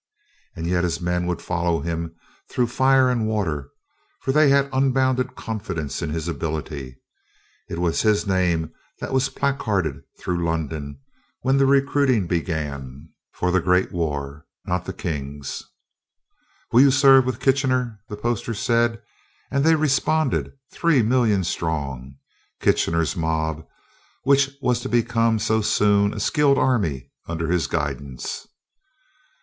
And yet, his men would follow him through fire and water, for they had unbounded confidence in his ability. It was his name that was placarded through London, when the recruiting began for the Great War and not the King's. "Will you serve with Kitchener?" the posters said. And they responded, three million strong "Kitchener's Mob," which was to become so soon a skilled army under his guidance.